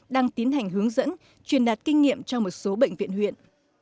đang tiến hành hướng dẫn truyền đạt kinh nghiệm cho một số bệnh viện huyện